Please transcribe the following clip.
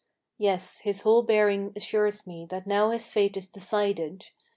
Yes: his whole bearing assures me that now his fate is decided.